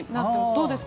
どうですか？